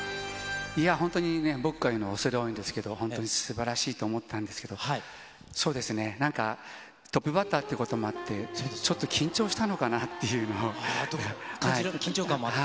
いや、本当にね、僕から言うのも恐れ多いんですけれども、本当にすばらしいと思ったんですけど、そうですね、なんかトップバッターっていうこともあって、ちょっと緊張したの緊張感もあって。